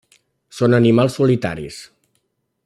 Són animals solitaris.